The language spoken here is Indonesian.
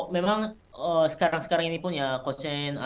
sebenarnya saya masih menonton video dari guinea